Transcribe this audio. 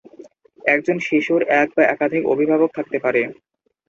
একজন শিশুর এক বা একাধিক অভিভাবক থাকতে পারে।